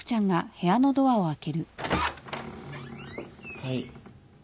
・はい。